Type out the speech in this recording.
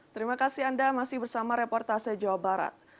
terima kasih anda masih bersama reportase jawa barat